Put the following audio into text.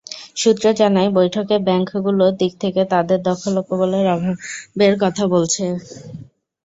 সূত্র জানায়, বৈঠকে ব্যাংকগুলোর দিক থেকে তাদের দক্ষ লোকবলের অভাবের কথা বলা হয়েছে।